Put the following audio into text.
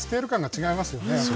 違いますね。